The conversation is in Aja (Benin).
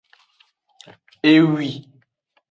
Ewi.